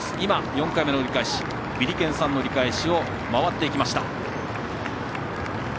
４回目の折り返しビリケンさんの折り返しを回っていきました。